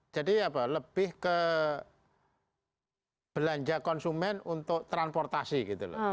jadi lebih ke belanja konsumen untuk transportasi gitu loh